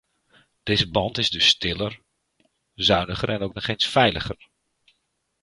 Deze band is dus stiller, zuiniger en ook nog eens veiliger.